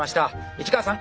市川さん